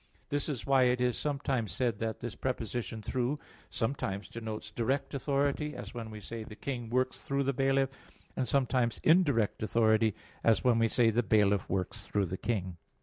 This is why it is sometimes said that this preposition "through" sometimes denotes direct authority, as when we say, the king works through the bailiff; and sometimes indirect authority, as when we say, the bailiff works through the king.